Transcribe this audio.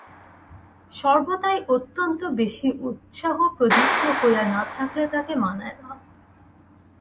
সর্বদাই অত্যন্ত বেশি উৎসাহপ্রদীপ্ত হয়ে না থাকলে তাকে মানায় না।